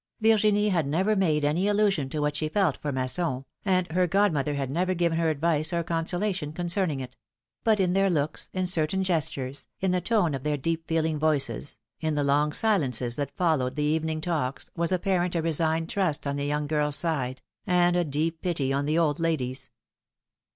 Virginie had never made any allusion to what she felt for Masson, and her 230 PHILOM]^NE's mapeiages. godmother had never given her advice or consolation con cerning it ; but in their looks, in certain gestures, in the tone of their deep feeling voices, in the long silences that followed the evening talks, was apparent a resigned trust on the young girPs side, and a deep pity on the old lady^s.